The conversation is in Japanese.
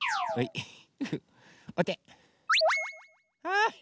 はい。